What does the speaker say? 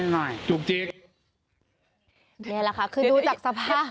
นี่แหละค่ะคือดูจากสภาพ